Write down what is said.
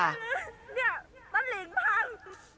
เนี่ยตะหลิงพัง